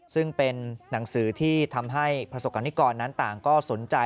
ซึ่งเป็นหนังสือที่ทำให้ประสบกรณิกรนั้นต่างก็สนใจ